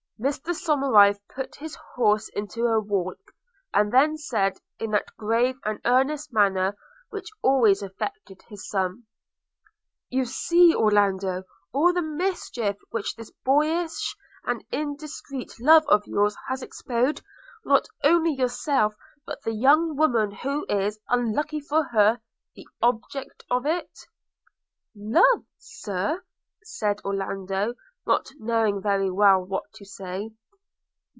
Mr Somerive put his horse into a walk, and then said, in that grave and earnest manner which always affected his son – 'You see, Orlando, all the mischief which this boyish and indiscreet love of yours has exposed, not only yourself, but the young woman who is, unluckily for her, the object of it.' 'Love, Sir!' said Orlando, not knowing very well what to say.